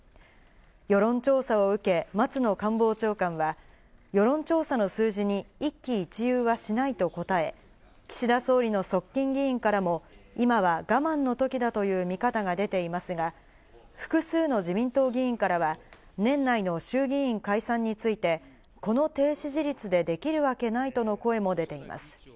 世論調査を受け、松野官房長官は世論調査の数字に一喜一憂はしないと答え、岸田総理の側近議員からも今は我慢のときだという見方が出ていますが、複数の自民党議員からは、年内の衆議院解散について、この低支持率でできるわけないとの声も出ています。